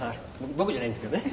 僕じゃないんですけどね。